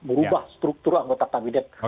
merubah struktur anggota kabinet